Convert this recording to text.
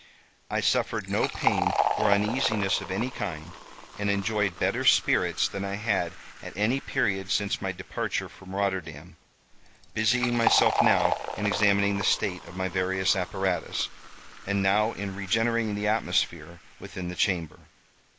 I suffered no pain or uneasiness of any kind, and enjoyed better spirits than I had at any period since my departure from Rotterdam, busying myself now in examining the state of my various apparatus, and now in regenerating the atmosphere within the chamber.